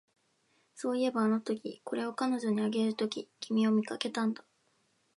そういえば、あのとき、これを彼女にあげるとき、君を見かけたんだ